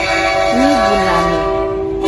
Mi bu na me.